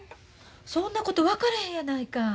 そんなこと分からへんやないか。